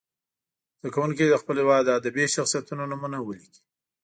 زده کوونکي دې د خپل هېواد د ادبي شخصیتونو نومونه ولیکي.